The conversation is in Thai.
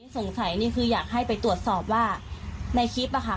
สงสัยนี่คืออยากให้ไปตรวจสอบว่าในคลิปอะค่ะ